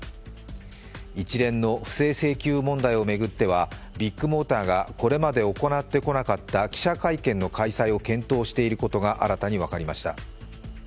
一連の不正請求問題を巡ってはビッグモーターがこれまで行ってこなかった記者会見の開催を検討していることが新たに分かりました。